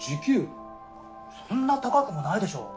そんな高くもないでしょ。